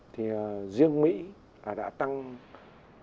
thì riêng mỹ đã tăng cắt giảm của các nước opec